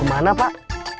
terima kasih pak